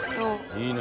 いいね。